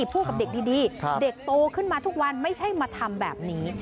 พูดกับเด็กดีเด็กโตขึ้นมาทุกวันไม่ใช่มาทำแบบนี้